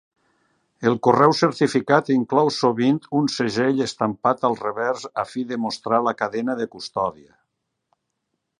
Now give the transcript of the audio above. El correu certificat inclou sovint un segell estampat al revers a fi de mostrar la cadena de custòdia.